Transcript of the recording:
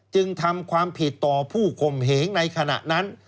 จึงทำความผิดต่อผู้ข่มเหงในขณะนั้น